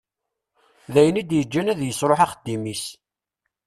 D ayen i d-yeǧǧan ad yesruḥ axeddim-is.